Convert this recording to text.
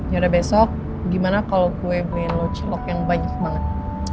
ya udah besok gimana kalo gue beliin lo cilok yang banyak banget